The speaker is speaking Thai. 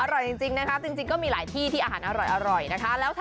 อร่อยจริงนะคะจริงก็มีหลายที่ที่อาหารอร่อยนะคะ